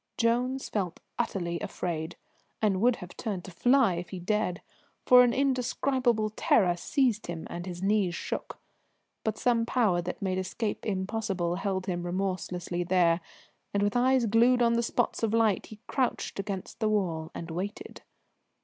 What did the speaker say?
Jones felt utterly afraid, and would have turned to fly if he dared, for an indescribable terror seized him and his knees shook; but some power that made escape impossible held him remorselessly there, and with eyes glued on the spots of light he crouched against the wall and waited.